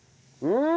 うん。